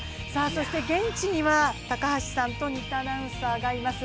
そして現地には、高橋さんと新タアナウンサーがいます。